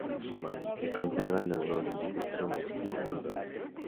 Se conservan los Distritos y Cabildos.